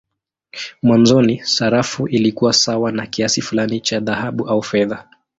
Mwanzoni sarafu ilikuwa sawa na kiasi fulani cha dhahabu au fedha.